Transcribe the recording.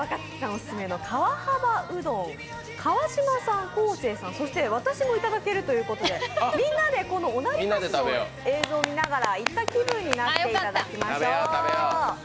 オススメの川幅うどん、川島さん、昴生さん、そして私もいただけるということでみんなで御成橋の映像を見ながら行った気分になっていただきましょう。